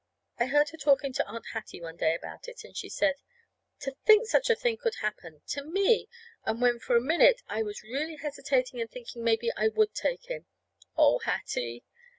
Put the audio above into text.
I heard her talking to Aunt Hattie one day about it, and she said: "To think such a thing could happen to me! And when for a minute I was really hesitating and thinking that maybe I would take him. Oh, Hattie!"